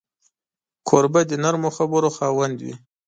کوربه د نرمو خبرو خاوند وي.